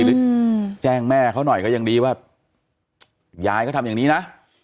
หรือแจ้งแม่เขาหน่อยก็ยังดีว่ายายเขาทำอย่างนี้นะ